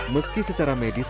meski secara medis